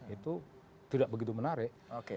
itu tidak begitu menarik